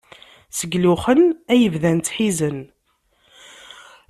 Seg luxen ay bdan ttḥiẓen.